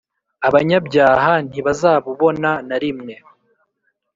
abanyabyaha ntibazabubona na rimwe